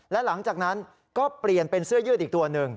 และหลังจากนั้นก็เปลี่ยนเป็นเสื้อยืดอีกตัวหนึ่ง